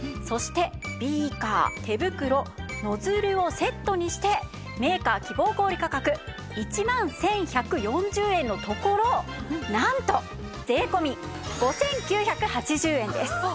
そしてビーカー手袋ノズルをセットにしてメーカー希望小売価格１万１１４０円のところなんと税込５９８０円です。